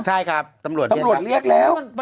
ใช่ครับตำรวจเรียกแล้ว